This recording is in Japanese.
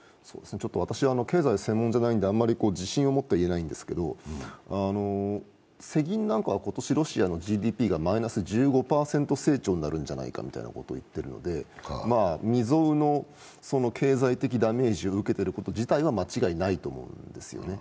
私、経済専門じゃないのであまり自信を持って言えないんですけれども、世界銀行などは今年ロシアのＧＤＰがマイナス１５％ぐらいになるんじゃないかと言っていますので、未曾有の経済的ダメージを受けてること自体は間違いないと思うんですよね。